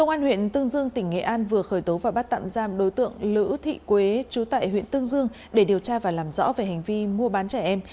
anh vừa khởi tố và bắt tạm giam đối tượng lữ thị quế chú tại huyện tương dương để điều tra và làm rõ về hành vi mua bán trẻ em